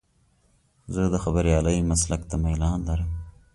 زه د خبریالۍ مسلک ته میلان لرم.